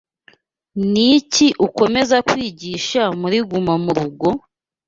Niki ukomeza kwigisha muri gumamurugo?